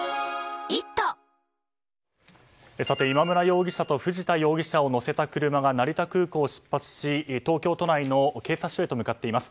今村容疑者と藤田容疑者を乗せた車が成田空港を出発し東京都内の警察署に向かっています。